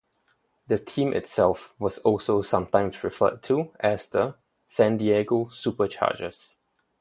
The team itself was also sometimes referred to as the "San Diego Super Chargers".